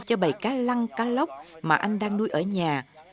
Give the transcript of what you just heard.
cho bày cá lăng cá lóc mà anh đang nuôi ở nhà